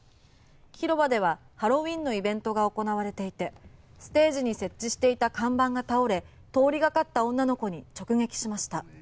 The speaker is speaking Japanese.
広場ではハロウィンのイベントが行われていてステージに設置していた看板が倒れ通りがかった女の子に直撃しました。